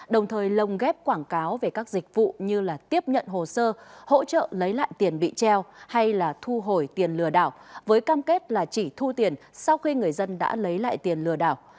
đồng thời lồng ghép quảng cáo về các dịch vụ như tiếp nhận hồ sơ hỗ trợ lấy lại tiền bị treo hay là thu hồi tiền lừa đảo với cam kết là chỉ thu tiền sau khi người dân đã lấy lại tiền lừa đảo